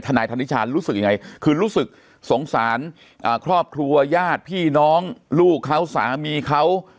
นายธนิชานรู้สึกยังไงคือรู้สึกสงสารครอบครัวญาติพี่น้องลูกเขาสามีเขา